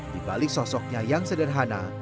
di balik sosoknya yang sederhana